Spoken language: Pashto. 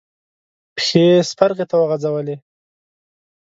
پښې يې سپرغې ته وغزولې.